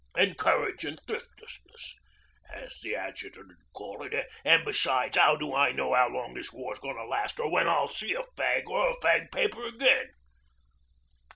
Encouragin' thriftlessness, as the Adjutant 'ud call it; an', besides, 'ow do I know 'ow long this war's goin' to last or when I'll see a fag or a fag paper again?